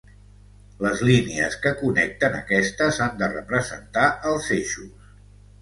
Les línies que connecten aquestes han de representar els eixos.